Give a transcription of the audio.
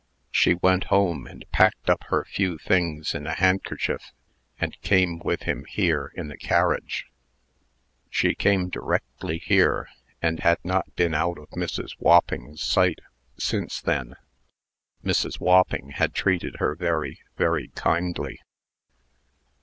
She went home, and packed up her few things in a handkerchief, and came with him here in a carriage. She came directly here, and had not been out of Mrs. Wopping's sight since then. Mrs. Wopping had treated her very, very kindly.